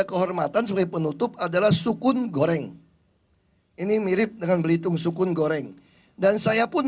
kehormatan sebagai penutup adalah sukun goreng ini mirip dengan belitung sukun goreng dan saya pun